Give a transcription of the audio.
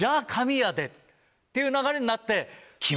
っていう流れになって。